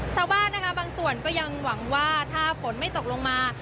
ชาวบ้านนะคะบางส่วนก็ยังหวังว่าถ้าฝนไม่ตกลงมา